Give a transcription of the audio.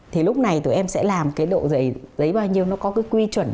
thì lúc này tụi em sẽ làm cái độ giấy bao nhiêu nó có cái quy chuẩn